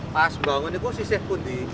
pas bangun ini kok sisih putih